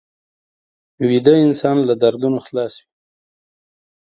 ویده انسان له دردونو خلاص وي